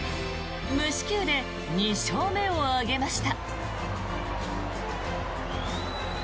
無四球で２勝目を挙げました。